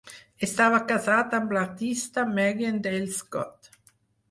Estava casat amb l'artista Marian Dale Scott.